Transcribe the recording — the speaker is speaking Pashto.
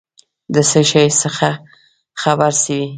د څه شي څخه خبر سوې ؟